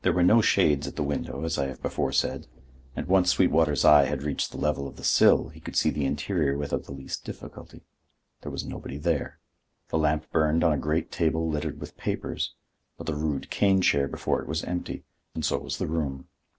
There were no shades at the window, as I have before said, and, once Sweetwater's eye had reached the level of the sill, he could see the interior without the least difficulty. There was nobody there. The lamp burned on a great table littered with papers, but the rude cane chair before it was empty, and so was the room.